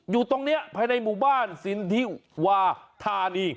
อยู่ตรงนี้ภายในหมู่บ้านสินทิวาธานี